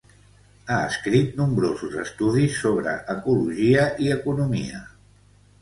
Ha escrit nombrosos estudis sobre ecologia i economia.